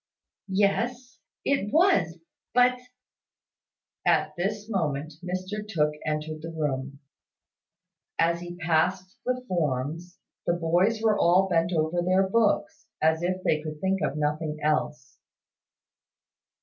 "Yes, it was but " At this moment Mr Tooke entered the room. As he passed the forms, the boys were all bent over their books, as if they could think of nothing else.